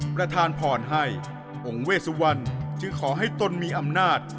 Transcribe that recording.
ประธานพรให้องค์เวสุวรรณจึงขอให้ตนมีอำนาจ